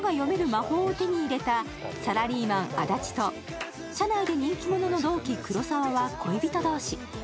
魔法を手に入れたサラリーマン・安達と社内で人気者の同期・黒沢は恋人同士。